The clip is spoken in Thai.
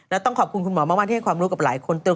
แล้วต้องขอบคุณคุณหมอมากที่ให้ความรู้กับหลายคนเติม